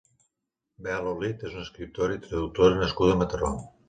Bel Olid és una escriptora i traductora nascuda a Mataró.